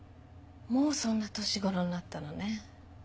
もうそんな年頃になったのね。